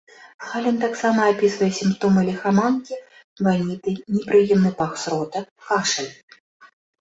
Гален таксама апісвае сімптомы ліхаманкі, ваніты, непрыемны пах з рота, кашаль.